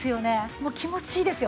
もう気持ちいいですよ。